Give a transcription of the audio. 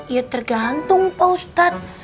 iya tergantung pak ustadz